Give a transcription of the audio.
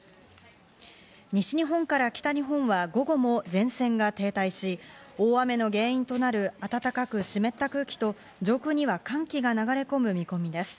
西日本から北日本は、午後も前線が停滞し、大雨の原因となる暖かく湿った空気と、上空には寒気が流れ込む見込みです。